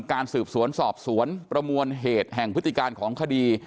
การสืบสวนสอบสวนประมวลเหตุแห่งพฤติการของคดี